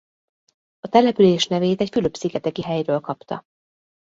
A település nevét egy Fülöp-szigeteki helyről kapta.